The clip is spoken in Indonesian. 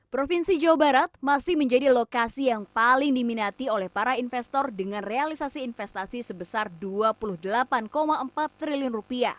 provinsi jawa barat masih menjadi lokasi yang paling diminati oleh para investor dengan realisasi investasi sebesar rp dua puluh delapan empat triliun